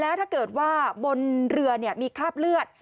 แล้วถ้าเกิดว่าบนเรือมีคราบเลือด